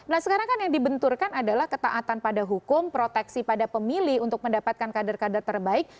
nah sekarang kan yang dibenturkan adalah ketaatan pada hukum proteksi pada pemilih untuk mendapatkan kader kader terbaik